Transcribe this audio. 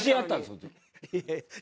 その時。